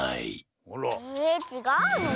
えちがうの？